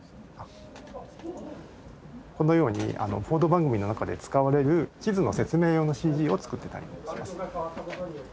このように報道番組の中で使われる地図の説明用のＣＧを作ってたりします。